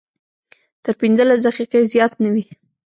تر پنځلس دقیقې زیات نه وي.